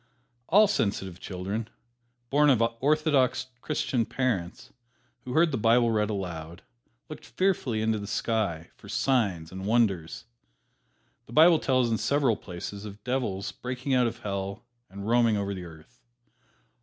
All sensitive children, born of orthodox Christian parents, who heard the Bible read aloud, looked fearfully into the sky for "signs and wonders." The Bible tells in several places of devils breaking out of Hell and roaming over the earth.